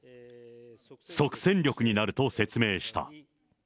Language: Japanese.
即戦力になると説明した。